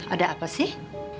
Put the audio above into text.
ada apa sih